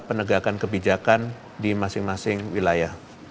penegakan kebijakan di masing masing wilayah